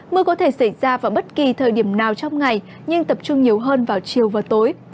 mưa có thể xảy ra vào bất kỳ thời điểm nào trong ngày nhưng tập trung nhiều hơn vào chiều và tối